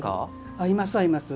合います、合います。